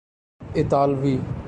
اطالوی